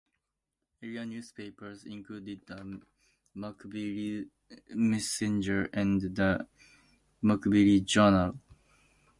Area newspapers include the "McVille Messenger" and the "McVille Journal".